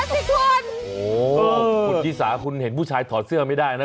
คุณยิริสึกคุณเห็นผู้ชายถอดเสื้อไม่ได้นะ